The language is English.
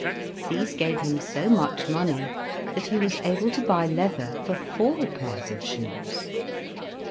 These gave him so much money that he was able to buy leather for four pairs of shoes.